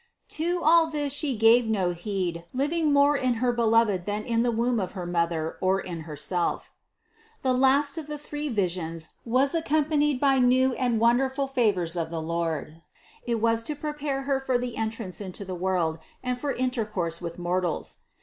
To all this She gave no heed, living more in her Be loved than in the womb of her mother or in Herself. 314. The last of the three visions was accompanied by new and more wonderful favors of the Lord; it was to prepare Her for the entrance into the world and for intercourse with mortals.